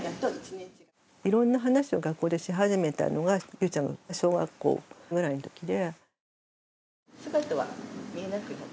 いろんな話を学校でし始めたのがゆうちゃんが小学校ぐらいのときで。